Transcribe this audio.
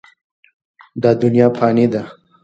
دا دنیا فاني ده.